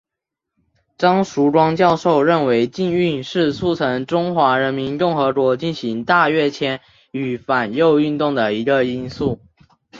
张曙光教授认为禁运是促成中华人民共和国进行大跃进与反右运动的一个因素。